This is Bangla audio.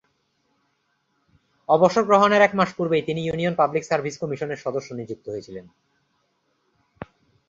অবসর গ্রহণের এক মাস পূর্বেই তিনি ইউনিয়ন পাবলিক সার্ভিস কমিশনের সদস্য নিযুক্ত হয়েছিলেন।